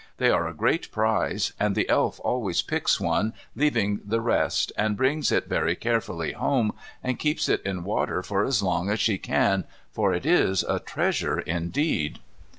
They are a great prize and the Elf always picks one, leaving the rest, and brings it very carefully home and keeps it in water for as long as she can for it is a treasure indeed.